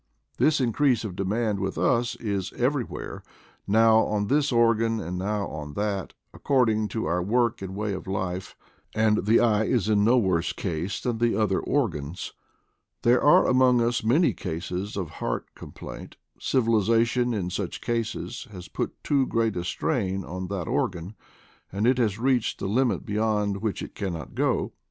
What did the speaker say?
This increase of demand with us is everywhere — now on this organ and now on that, according to our work and way of life, and the eye is in no worse case than the other organs. There are among us many cases of heart complaint; civilization, in such cases, has put too great a strain on that or gan, and it has reached the limit beyond which it cannot go.